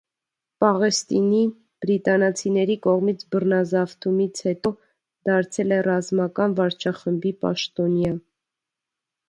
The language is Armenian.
Պաղեստինի՝ բրիտանացիների կողմից բռնազավթումից հետո, դարձել է ռազմական վարչախմբի պաշտոնյա։